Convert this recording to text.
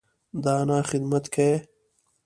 د انا خدمت کيي.